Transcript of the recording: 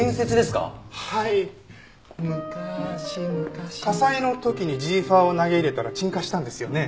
火災の時にジーファーを投げ入れたら鎮火したんですよね？